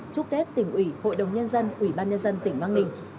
chúc tết tỉnh ủy hội đồng nhân dân ủy ban nhân dân tỉnh bắc ninh